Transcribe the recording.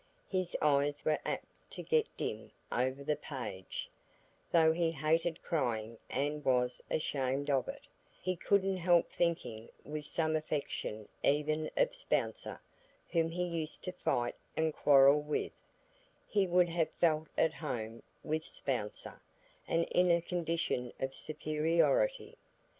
His eyes were apt to get dim over the page, though he hated crying, and was ashamed of it; he couldn't help thinking with some affection even of Spouncer, whom he used to fight and quarrel with; he would have felt at home with Spouncer, and in a condition of superiority.